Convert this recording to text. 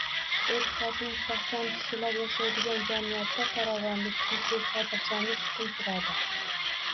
E’tiqodi mustahkam kishilar yashaydigan jamiyatda farovonlik, tinchlik-xotirjamlik hukm suradi.